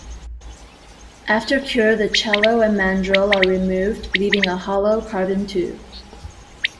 After cure the cello and mandrel are removed leaving a hollow carbon tube.